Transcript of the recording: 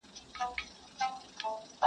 نه د چا په لویو خونو کي غټیږو -